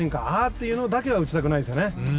あぁっていうのだけは打ちたくないですよね。